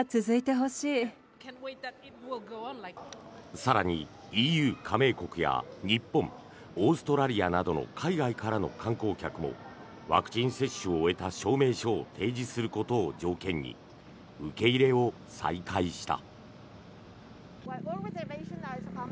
更に、ＥＵ加盟国や日本オーストラリアなどの海外からの観光客もワクチン接種を終えた証明書を提示することを条件に受け入れを再開した。